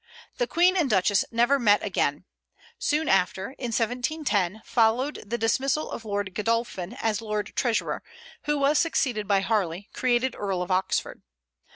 The Queen and Duchess never met again. Soon after, in 1710, followed the dismissal of Lord Godolphin, as lord treasurer, who was succeeded by Harley, created Earl of Oxford.